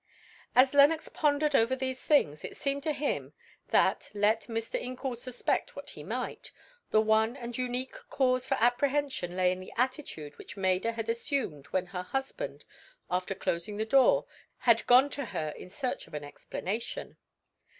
As Lenox pondered over these things it seemed to him that, let Mr. Incoul suspect what he might, the one and unique cause for apprehension lay in the attitude which Maida had assumed when her husband, after closing the door, had gone to her in search of an explanation.